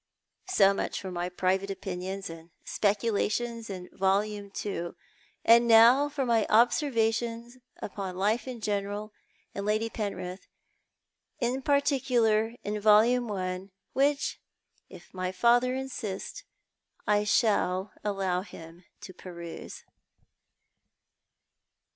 So much for my private opinions and speculations in volume two; and now for my observations upon life in general and Lady Penritli in particular in volume one, which, if my father insist, I shall allow him to peruse.